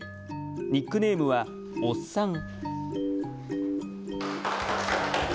ニックネームは、おっさん。